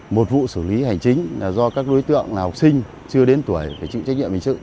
một vụ xử lý hành chính là do các đối tượng là học sinh chưa đến tuổi phải chịu trách nhiệm hình sự